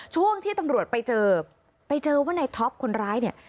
ช่วงที่ตำรวจไปเจอไปเจอว่าในท็อปคนร้ายเนี่ย